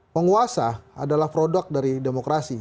penguasa adalah produk dari demokrasi